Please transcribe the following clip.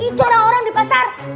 itu orang orang di pasar